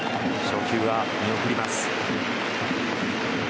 初球は見送りました。